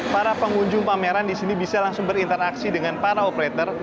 para pengunjung pameran di sini bisa langsung berinteraksi dengan para operator